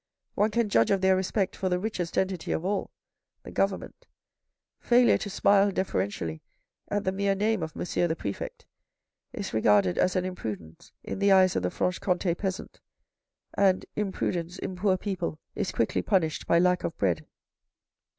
One can judge of their respect for the richest entity of all — the government. Failure to smile deferentially at the mere name of M. the Prefect is regarded as an imprudence in the eyes of the Franche comte peasant, and imprudence in poor people is quickly punished by lack of bread.